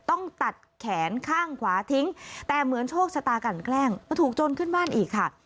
ต้องตัดแขนข้างขวาทิ้งแต่เหมือนโชคชะตากันแกล้งมาถูกจนขึ้นบ้านอีกค่ะ